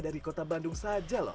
dari kota bandung saja loh